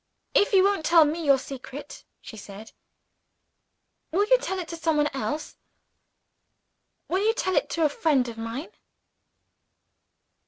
"If you won't tell me your secret," she said, "will you tell it to some one else? Will you tell it to a friend of mine?"